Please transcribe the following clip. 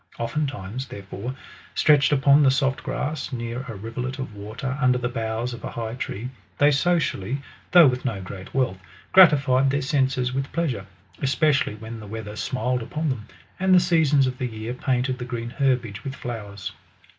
Oftentimes, therefore, stretched upon the soft grass, near a rivulet of water, under the boughs of a.high tree, they socially, though with no great wealth, gratified their senses with pleasure, especially when the weather smiled upon them, and the seasons of the year painted the green herbage with flowers.